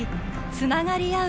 つながり合う